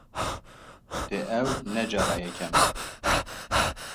Dê ev ne cara yekem be.